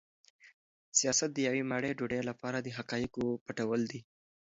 سیاست د یوې مړۍ ډوډۍ لپاره د حقایقو پټول دي.